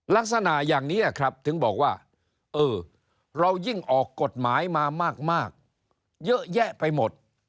ลักษณะอย่างนี้ครับถึงบอกว่าเออเรายิ่งออกกฎหมายมามากเยอะแยะไปหมด